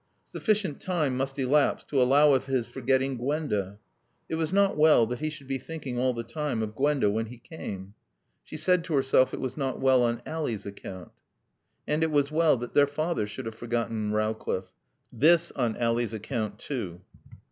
Sufficient time must elapse to allow of his forgetting Gwenda. It was not well that he should be thinking all the time of Gwenda when he came. (She said to herself it was not well on Ally's account.) And it was well that their father should have forgotten Rowcliffe. (This on Ally's account, too.)